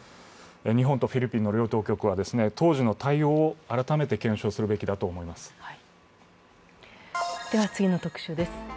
日本とフィリピンの両当局は当時の対応を改めて検証するべきだと思います。